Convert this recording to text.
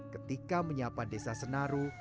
ketika menyapa desa senaru